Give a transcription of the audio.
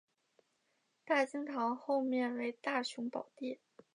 大经堂后面为大雄宝殿。